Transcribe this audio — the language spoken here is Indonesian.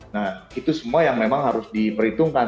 nah itu semua yang memang harus diperhitungkan